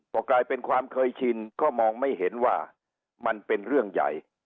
พอกลายเป็นความเคยชินก็มองไม่เห็นว่ามันเป็นเรื่องใหญ่